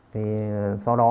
thì sau đó